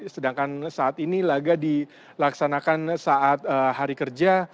sedangkan saat ini laga dilaksanakan saat hari kerja